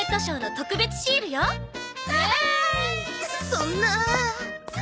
そんなあ。